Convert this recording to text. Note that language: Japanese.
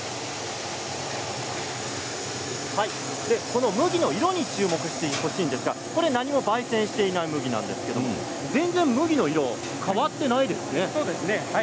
この麦の色に注目してほしいんですが何もばい煎していない麦なんですけれども全然、麦の色は変わっていないですね。